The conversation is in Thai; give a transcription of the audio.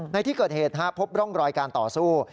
ในที่เกิดเหตุพบร่องรอยการต่อสู้